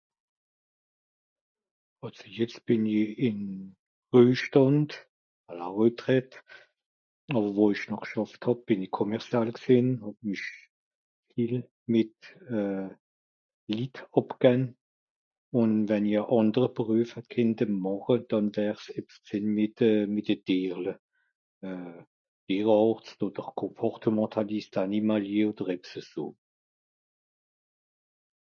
às jetzt bìn'i in reujstànd à la retraite àwer wo esch noch g'schàfft hàb bìn'i commercial g'sìn hàb mich viel mìt euh Lit ... un wenn'i a àndere beruef hàt kennte màche (dànn'ers) ebs g'sìn mìt euh mìt de deerle euh deeràrtz oder comportementaliste animalier oder ebs a so